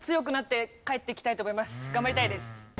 頑張りたいです。